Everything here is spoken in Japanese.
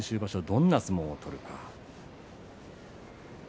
どんな相撲を取るか。